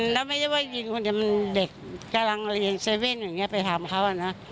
แล้วไม่ใช่ว่ายิงคนจนเด็กกำลังเรียน๗๑๑อย่างนี้ไปทำเขาอ่ะนะ